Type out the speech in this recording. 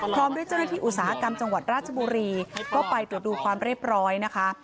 พร้อมด้วยเจ้าหน้าที่อุตสาหกรรมจังหวัดราชบุรีก็ไปตรวจดูความเรียบร้อยนะคะ